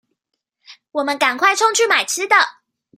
我們趕快衝去買吃的